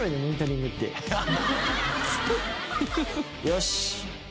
よし。